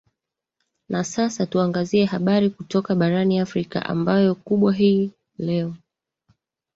na sasa tuangazie habari kutoka barani afrika ambayo kubwa hii leo